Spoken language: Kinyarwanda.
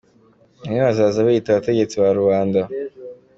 Bamwe bazaza biyita abategetsi ba rubanda.